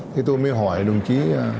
thì tôi mới hỏi đồng chí